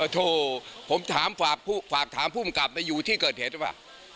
โถ่ผมฝากถามผู้มกรรมไปอยู่ที่เกิดเหตุ